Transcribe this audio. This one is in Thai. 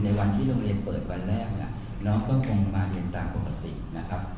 ในวันที่โรงเรียนเปิดวันแรกเนี่ยน้องก็คงมาเรียนตามปกตินะครับ